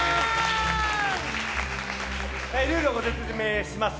ルールをご説明します。